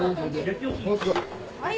はい。